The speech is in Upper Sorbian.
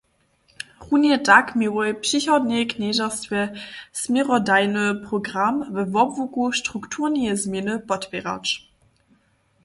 Runje tak měłoj přichodnej knježerstwje směrodajny program we wobłuku strukturneje změny podpěrać.